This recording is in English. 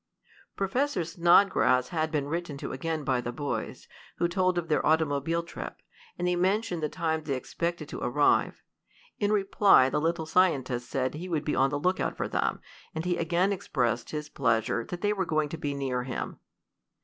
Professor Snodgrass had been written to again by the boys, who told of their automobile trip, and they mentioned the time they expected to arrive. In reply the little scientist said he would be on the lookout for them, and he again expressed his pleasure that they were going to be near him.